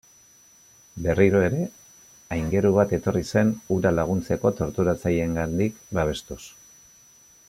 Berriro ere, aingeru bat etorri zen hura laguntzeko torturatzaileengandik babestuz.